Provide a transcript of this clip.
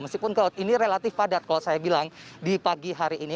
meskipun ini relatif padat kalau saya bilang di pagi hari ini